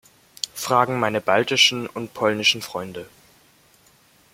Fragen meine baltischen und polnischen Freunde.